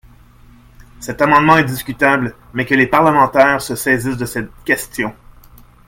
Cet amendement est discutable, mais que les parlementaires se saisissent de cette question